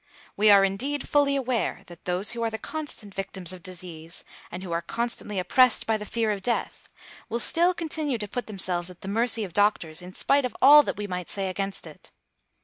We are, indeed, fully aware that those who are the constant victims of disease, and who are constantly oppressed by the fear of death, will still continue to put themselves at the mercy of doctors, in spite of all that we might say against it.